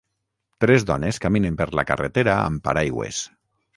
Tres dones caminen per la carretera amb paraigües.